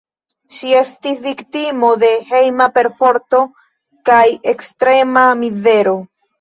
Ŝi estis viktimo de hejma perforto kaj ekstrema mizero.